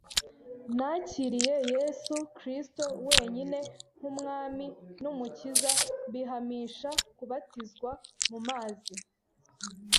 Nakiriye Yesu Kristo wenyine nk’Umwami n’Umukiza, mbihamisha kubatizwa mu mazi.